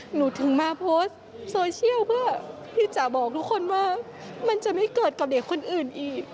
หนูถึงมาโพสต์โซเชียลเพื่อที่จะบอกทุกคนว่ามันจะไม่เกิดกับเด็กคนอื่นอีก